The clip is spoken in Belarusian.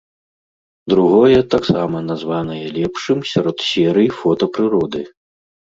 Другое таксама названае лепшым сярод серый фота прыроды.